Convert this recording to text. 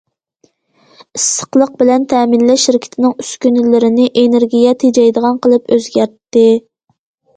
ئىسسىقلىق بىلەن تەمىنلەش شىركىتىنىڭ ئۈسكۈنىلىرىنى ئېنېرگىيە تېجەيدىغان قىلىپ ئۆزگەرتتى.